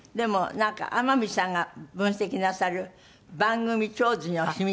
なんか天海さんが分析なさる番組長寿の秘密。